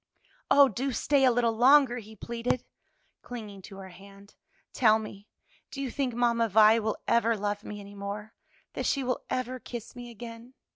"Oh, do stay a little longer!" he pleaded, clinging to her hand. "Tell me, do you think Mamma Vi will ever love me any more? that she will ever kiss me again?"